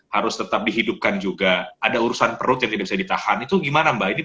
harus tetap dihidupkan juga ada urusan perut yang tidak bisa ditahan itu gimana mbak ini